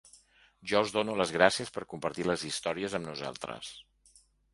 Jo els dono les gràcies per compartir les històries amb nosaltres.